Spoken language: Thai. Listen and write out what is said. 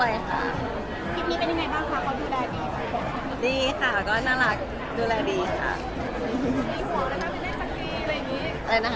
ไปเล่นสะกรีอะไรอย่างงี้อะไรรึยังไงนะ